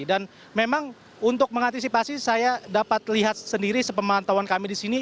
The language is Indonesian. dan memang untuk mengantisipasi saya dapat lihat sendiri sepemantauan kami disini